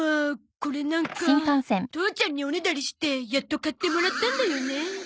これなんか父ちゃんにおねだりしてやっと買ってもらったんだよね。